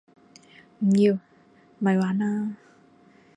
唔要！咪玩啦